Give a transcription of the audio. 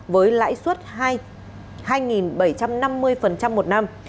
với lãi suất hai bảy trăm năm mươi một năm